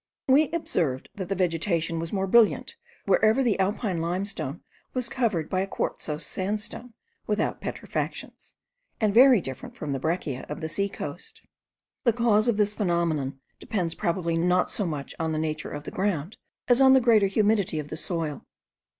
We observed, that the vegetation was more brilliant, wherever the Alpine limestone was covered by a quartzose sandstone without petrifactions, and very different from the breccia of the sea coast. The cause of this phenomenon depends probably not so much on the nature of the ground, as on the greater humidity of the soil.